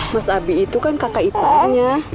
mas abi itu kan kakak iparnya